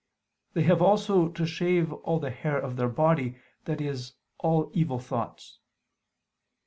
They have also to shave all the hair of their body, i.e. all evil thoughts.